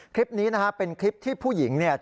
คลิปนี้นะฮะเป็นคลิปที่ผู้หญิงเนี่ย